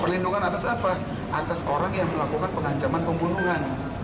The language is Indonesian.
perlindungan atas apa atas orang yang melakukan pengancaman pembunuhan